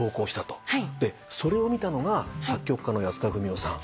それを見たのが作曲家の安田史生さん。